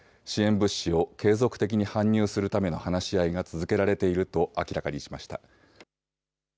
物資を継続的に搬入するための話し合いが続けられていると明らかにしました。